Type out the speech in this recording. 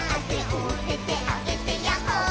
「おててあげてやっほー☆」